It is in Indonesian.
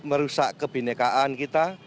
merusak kebhinnekaan kita